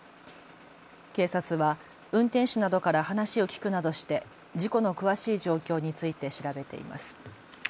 警察は運転手などから話を聞くなどして事故の詳しい状況について調べています。